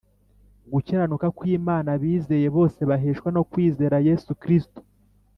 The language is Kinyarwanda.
gukiranuka kw’Imana abizeye bose baheshwa no kwizera Yesu Kristo,